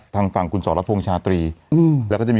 ทางฝั่งคุณสรพงษ์ชาตรีอืมแล้วก็จะมี